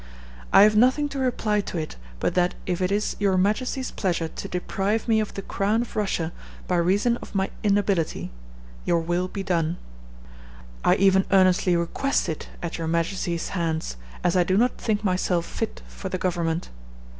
"I have nothing to reply to it but that if it is your majesty's pleasure to deprive me of the crown of Russia by reason of my inability your will be done. I even earnestly request it at your majesty's hands, as I do not think myself fit for the government.